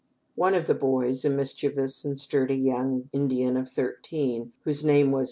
One of the boys, a mischievous and sturdy young Indian of thirteen, whose name was.